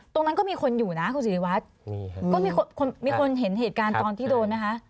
ตรงนั้นก็มีคนอยู่นะคุณสิริวัตรก็มีคนมีคนเห็นเหตุการณ์ตอนที่โดนไหมคะ